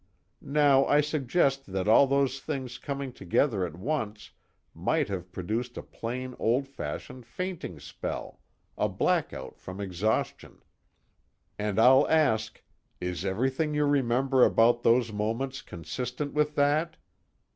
Now I suggest that all those things coming together at once might have produced a plain old fashioned fainting spell, a blackout from exhaustion. And I'll ask: is everything you remember about those moments consistent with that?